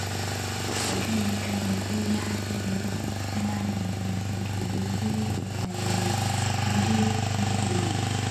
ukae mkaa wa kula hata eeh acha ni sikilize yaliojiri huko huum